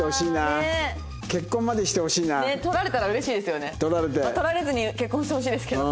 撮られずに結婚してほしいですけど。